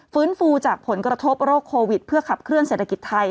ฟื้นฟูจากผลกระทบโรคโควิดเพื่อขับเคลื่อเศรษฐกิจไทย